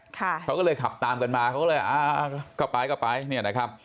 เขาก็เลยขับตามกันมาเขาก็เลยกลับไป